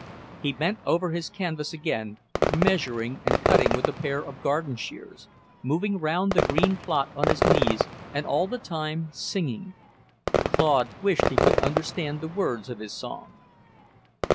He bent over his canvas again, measuring and cutting with a pair of garden shears, moving round the green plot on his knees, and all the time singing. Claude wished he could understand the words of his song.